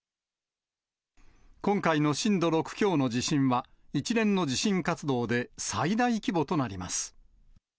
今回の震度６強の地震は、一連の地震活動で最大規模となります。